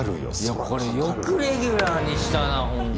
いやこれよくレギュラーにしたなほんとに。